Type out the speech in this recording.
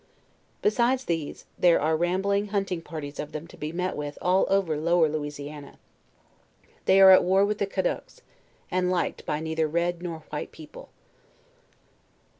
Besides these, there are rambling hunting parties of them to be met with all ever Lower Lou isiana. They are at war with the Caddoques, and liked by neither red nor white people.